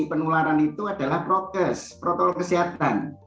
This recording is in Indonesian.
penularan itu adalah prokes protokol kesehatan